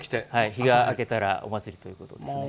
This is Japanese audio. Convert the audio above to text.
日があけたらお祭りということですね。